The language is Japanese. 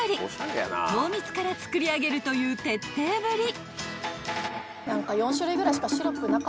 ［糖蜜から作り上げるという徹底ぶり］